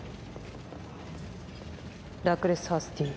ラクレス・ハスティー。